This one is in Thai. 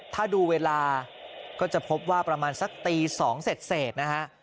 ถ้าดูเวลาก็จะพบว่าประมาณสักตี๒เสร็จนะฮะ